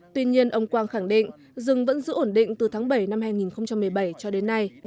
tuy nhiên ông quang khẳng định rừng vẫn giữ ổn định từ tháng bảy năm hai nghìn một mươi bảy cho đến nay